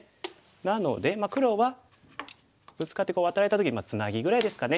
なのでまあ黒はブツカってワタられた時にツナギぐらいですかね。